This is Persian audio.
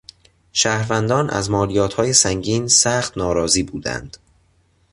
شهروندان از مالیاتهای سنگین سخت ناراضی بودند.